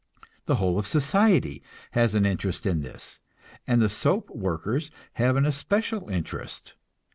The whole of society has an interest in this, and the soap workers have an especial interest.